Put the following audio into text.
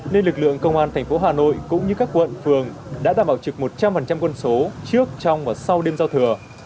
nên lực lượng công an thành phố hà nội cũng như các quận phường đã đảm bảo trực một trăm linh quân số trước trong và sau đêm giao thừa